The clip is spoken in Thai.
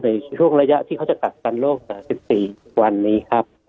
ในช่วงระยะที่เขาจะกักกันโรค๓๔วันนี้ครับ